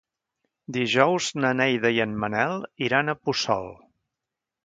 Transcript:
Dijous na Neida i en Manel iran a Puçol.